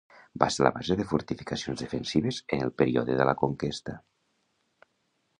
Va ser la base de fortificacions defensives en el període de la conquesta.